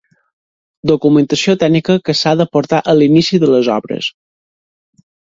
Documentació tècnica que s'ha d'aportar a l'inici de les obres.